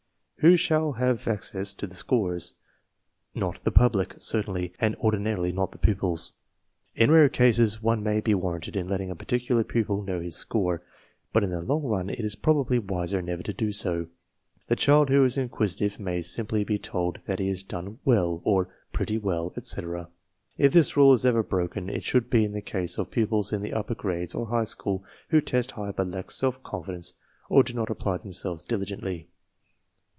Who shall have access to the scores? Not the public, certainly, and ordinarily hot the pupils. In rare cases one may be warranted in letting a particular pupil know his score, but in the long run it is probably, wiser never to do so. The child who is inquisitive may simply be told that He has done "well" or "pretty well/' etc. If this rule is ever broken, it jhould be in the case of pupils in the upper grades or high school who test high "BufTa"ck"self : confidence or do not apply themselves dili gently.